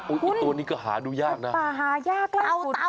อุ๊ยตัวนี้ก็หาดูยากนะเป็นป่าหายากกว่าสุด